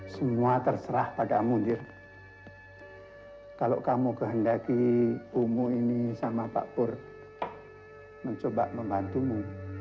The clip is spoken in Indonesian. semua terserah pada mudir hai kalau kamu kehendaki umuh ini sama pak pur mencoba membantumu